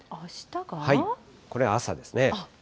これ、朝ですね。